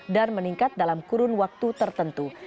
dan meningkat dalam kurun waktu tertentu